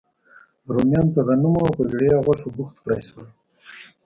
رومیان په غنمو او په وړیا غوښو بوخت کړای شول.